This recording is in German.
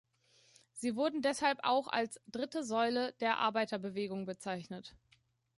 Sie wurden deshalb auch als "dritte Säule" der Arbeiterbewegung bezeichnet.